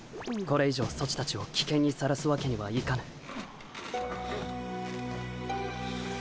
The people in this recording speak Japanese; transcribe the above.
これ以上ソチたちをきけんにさらすわけにはいかぬ。